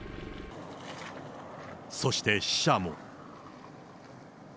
そして死者も。